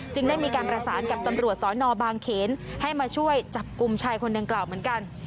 ได้มีการประสานกับตำรวจสอนอบางเขนให้มาช่วยจับกลุ่มชายคนดังกล่าวเหมือนกัน